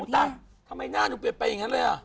ตายทำไมหน้าหนูเปลี่ยนไปอย่างนั้นเลยอ่ะ